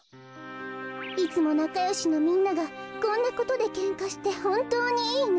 いつもなかよしのみんながこんなことでけんかしてほんとうにいいの？